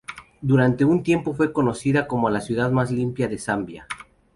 Durante un tiempo fue conocida como la ciudad más limpia de Zambia.